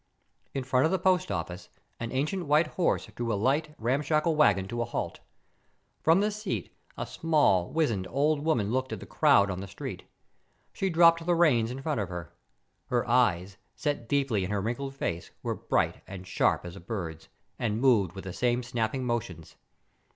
In front of the post office, an ancient white horse drew a light, ramshackle wagon to a halt. From the seat, a small, wizened, old woman looked at the crowd on the street. She dropped the reins in front of her. Her eyes, set deeply in her wrinkled face, were bright and sharp as a bird's, and moved with the same snapping motions.